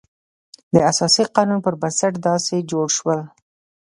د اساسي قانون پر بنسټ داسې جوړ شول.